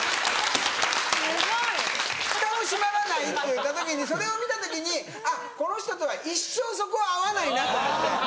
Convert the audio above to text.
・すごい・フタも閉まらないっていうそれを見た時にあっこの人とは一生そこは合わないなと思って。